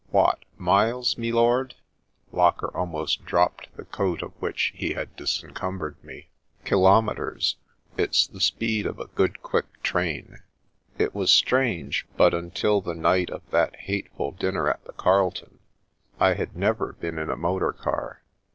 " Wot — miles, me lord ?" Locker almost dropped the eoat of which he had disencumbered me. " Kilometres. It's the speed of a good quick train." It was strange ; but until the night of that hateful dinner at the Carlton, I had never been in a motor car.